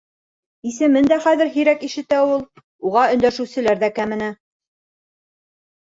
Исемен дә хәҙер һирәк ишетә ул. Уға өндәшеүселәр ҙә кәмене.